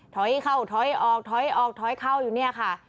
ถอยเข้าถอยออกถอยออกถอยเข้าอยู่เนี่ยค่ะ